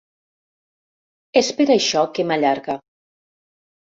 És per això que m'allarga.